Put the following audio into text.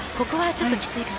ちょっときついかな。